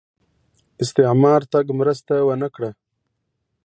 استعمار تګ مرسته ونه کړه